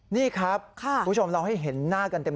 นี่ครับคุณผู้ชมเราให้เห็นหน้ากันเต็ม